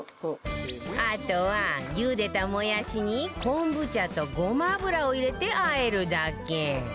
あとは茹でたもやしにこんぶ茶とごま油を入れて和えるだけ